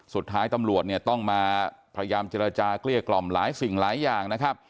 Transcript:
สุดท้ายตำรวจต้องมาพยายามเจรจากลี่ยกล่อมหลายสิ่งหลายอย่าง